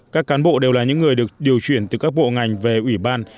các cán bộ đều là những người được điều chuyển từ các bộ ngành về ủy ban